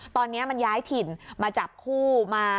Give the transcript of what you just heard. ตอนนี้มันย้ายถิ่นมาจับคู่มา